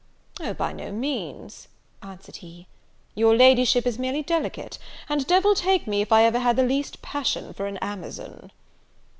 "O, by no means," answered he, "your Ladyship is merely delicate, and devil take me if ever I had the least passion for an Amazon."